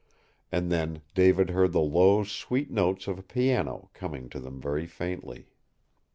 And then David heard the low, sweet notes of a piano coming to them very faintly.